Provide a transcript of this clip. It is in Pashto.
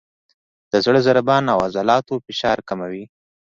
د زړه ضربان او عضلاتو فشار کموي،